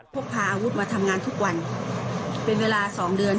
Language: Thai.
พกพาอาวุธมาทำงานทุกวันเป็นเวลา๒เดือน